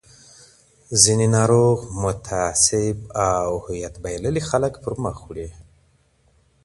ځینې ناروغ، متعصب او هویتبايللي خلک پرمخ وړي.